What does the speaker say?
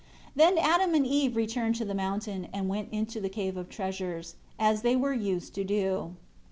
9 Then Adam and Eve returned from the mountain, and went into the Cave of Treasures, as they were used to do.